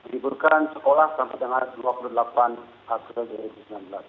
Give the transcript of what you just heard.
diiburkan sekolah sampai dengan dua puluh delapan akte dua ribu sembilan belas